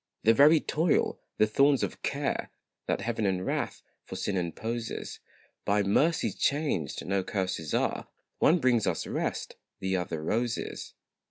The very toil, the thorns of care, That Heaven in wrath for sin imposes, By mercy changed, no curses are One brings us rest, the other roses.